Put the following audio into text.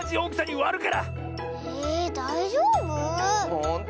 ほんとう？